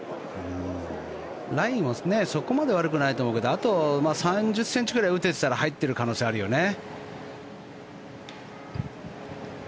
ラインはそこまで悪くないと思うけどあと３０ｃｍぐらい打ててたら入ってる可能性はあるよね。